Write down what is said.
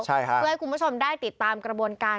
เพื่อให้คุณผู้ชมได้ติดตามกระบวนการ